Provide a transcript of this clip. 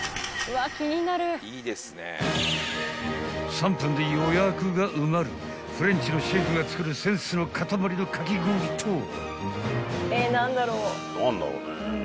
［３分で予約が埋まるフレンチのシェフが作るセンスの塊のかき氷とは？］